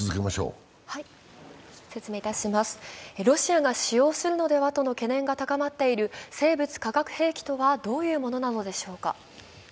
ロシアが使用するのではとの懸念が高まっている生物・化学兵器とは、どういうものなのでしょうか。